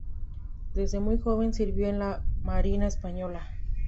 Desde muy joven sirvió en la marina española.